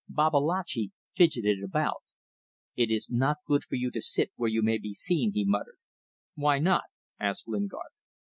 Babalatchi fidgeted about. "It is not good for you to sit where you may be seen," he muttered. "Why not?" asked Lingard.